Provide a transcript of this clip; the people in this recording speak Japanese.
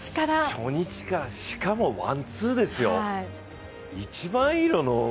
初日から、しかもワン・ツーですよ。